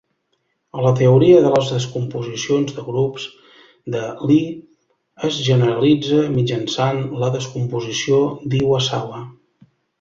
A la teoria de descomposicions de grups de Lie es generalitza mitjançant la descomposició d'Iwasawa.